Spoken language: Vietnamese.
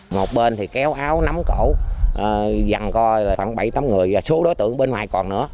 một bên thì kéo áo nắm cổ dằn coi là khoảng bảy tám người và số đối tượng bên ngoài còn nữa